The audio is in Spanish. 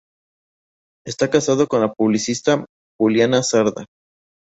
Está casado con la publicista Juliana Sarda.